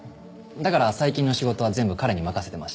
だから最近の仕事は全部彼に任せてまして。